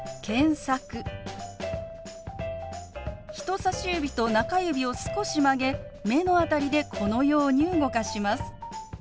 人さし指と中指を少し曲げ目の辺りでこのように動かします。